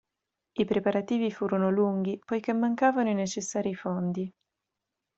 I preparativi furono lunghi, poiché mancavano i necessari fondi..